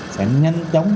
sẽ nhanh chóng